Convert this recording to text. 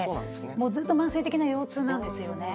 ずっと慢性的な腰痛なんですよね。